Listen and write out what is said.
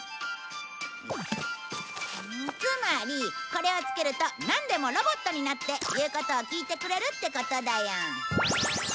つまりこれをつけるとなんでもロボットになって言うことを聞いてくれるってことだよ。